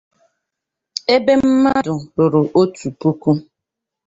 ebe mmadụ ruru otu puku